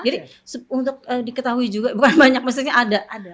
jadi untuk diketahui juga bukan banyak maksudnya ada